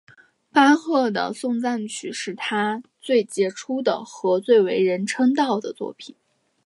巴赫的颂赞曲是他最杰出的和最为人称道的作品。